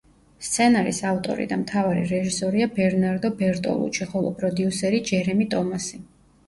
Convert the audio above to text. სცენარის ავტორი და მთავარი რეჟისორია ბერნარდო ბერტოლუჩი, ხოლო პროდიუსერი ჯერემი ტომასი.